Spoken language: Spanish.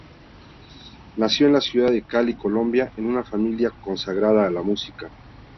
Nació en la ciudad de Cali, Colombia, en una familia consagrada a la música.